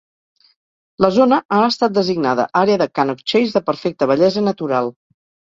La zona ha estat designada Àrea de Cannock Chase de Perfecte Bellesa Natural.